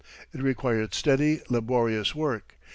It required steady, laborious work.